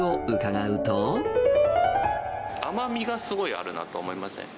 甘みがすごいあるなと思いますね。